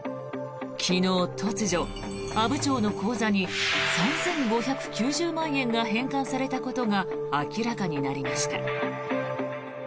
昨日、突如、阿武町の口座に３５９０万円が返還されたことが明らかになりました。